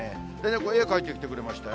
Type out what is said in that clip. これ、絵描いてきてくれましたよ。